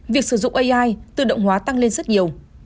việc sử dụng ai tự động hóa tăng lên rất nhiều